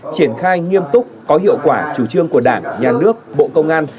triển khai nghiêm túc có hiệu quả chủ trương của đảng nhà nước bộ công an